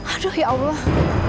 aduh ya allah